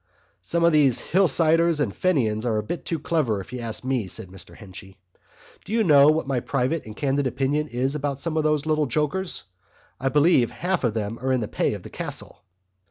"Some of these hillsiders and fenians are a bit too clever if you ask me," said Mr Henchy. "Do you know what my private and candid opinion is about some of those little jokers? I believe half of them are in the pay of the Castle."